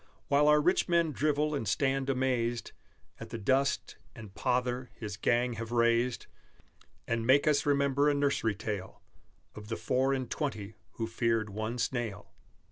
While our rich men drivel and stand amazed At the dust and pother his gang have raised, And make us remember a nursery tale Of the four and twenty who feared one snail.